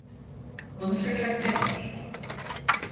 Konuşacak ne var?